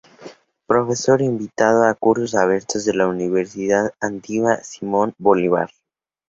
Profesor invitado a cursos abiertos de la Universidad Andina Simón Bolívar.